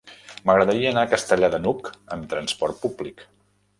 M'agradaria anar a Castellar de n'Hug amb trasport públic.